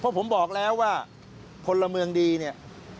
เพราะผมบอกแล้วว่าพลเมืองดีเนี่ย